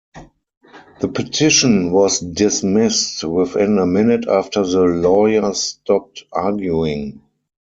The petition was dismissed within a minute after the lawyer stopped arguing.